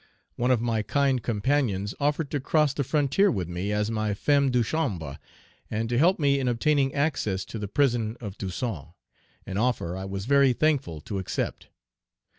One of my kind companions offered to cross the frontier with me as my femme de chambre, and to help me in obtaining access to the prison of Toussaint, an offer I was very thankful to accept.